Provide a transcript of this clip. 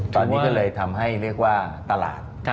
ตอนนี้ก็เลยทำให้เรียกว่าตลาด